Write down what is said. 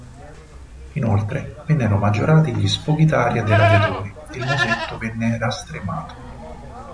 Inoltre vennero maggiorati gli sfoghi d'aria dei radiatori, e il musetto venne rastremato.